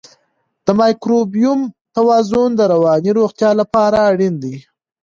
د مایکروبیوم توازن د رواني روغتیا لپاره اړین دی.